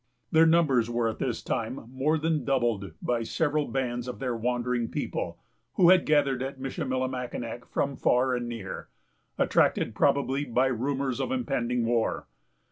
Their numbers were at this time more than doubled by several bands of their wandering people, who had gathered at Michillimackinac from far and near, attracted probably by rumors of impending war.